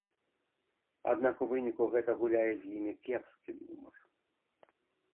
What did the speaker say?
Аднак у выніку гэта гуляе з імі кепскі нумар.